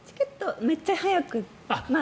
めっちゃ早く。